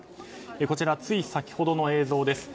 こちら、つい先ほどの映像です。